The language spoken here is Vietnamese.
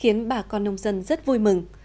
khiến bà con nông dân rất vui mừng